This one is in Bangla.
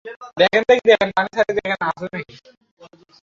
কুমুদকে যারা বাধিতে পারে নাই জয়াও কী তাদের একজন নাকি?